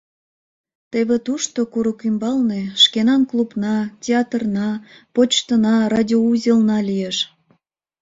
Теве тушто курык ӱмбалне шкенан клубна, театрна, почтына, радиоузелна лиеш.